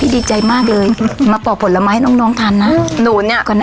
พี่ดีใจมากเลยมาป่อผลไม้ให้น้องน้องทานนะหนูเนี้ย